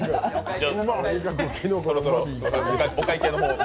ではそろそろお会計の方を。